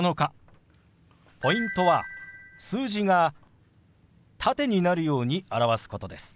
ポイントは数字が縦になるように表すことです。